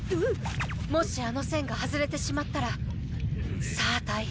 もしあの栓が外れてしまったらさあ大変！